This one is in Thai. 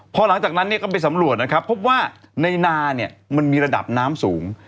พอหลังจากนั้นเนี่ยก็ไปสำรวจนะครับพบว่าในนาเนี่ยมันมีระดับน้ำสูง